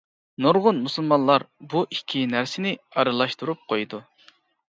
نۇرغۇن مۇسۇلمانلار بۇ ئىككى نەرسىنى ئارىلاشتۇرۇپ قويىدۇ.